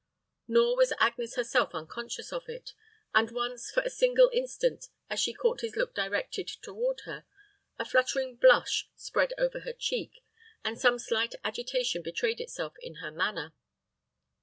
Nor was Agnes herself unconscious of it; and once, for a single instant, as she caught his look directed toward her, a fluttering blush spread over her cheek, and some slight agitation betrayed itself in her manner.